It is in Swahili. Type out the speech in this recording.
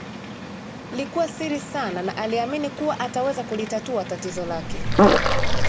likuwa siri sana na aliamini kuwa ataweza kulitatua tatizo lake